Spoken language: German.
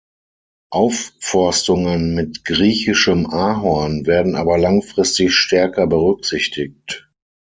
Aufforstungen mit Griechischem Ahorn werden aber langfristig stärker berücksichtigt.